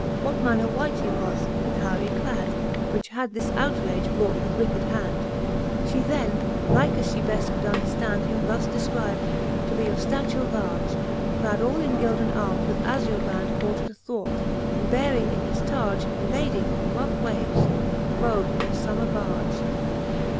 What manner wight he was, and how yclad, Which had this outrage wrought with wicked hand. She then, like as fhe beft could underftand, Him thus defcrib'd, to be of ftature large. Clad all in gilden armes, with azure band ■Quartred athwart, and bearing in his targe A Ladie on rough waves, row'd in a fbmmer barge. XLV.Then Cant. II the Faerie Queene.